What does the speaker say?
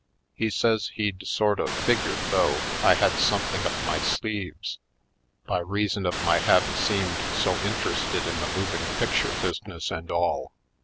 He says he'd sort of figured, though, I had something up my sleeves, by reason of my having seemed so interested in the moving picture business and all.